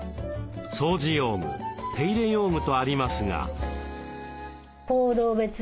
「掃除用具手入れ用具」とありますが。